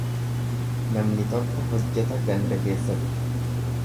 Namni tokko hojjeta ganda keessatti.